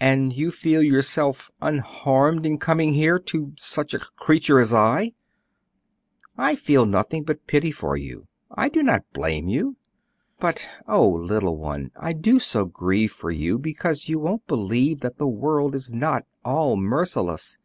"And you feel yourself unharmed in coming here to such a creature as I?" "I feel nothing but pity for you; I do not blame you. But, oh, little one, I do so grieve for you because you won't believe that the world is not all merciless.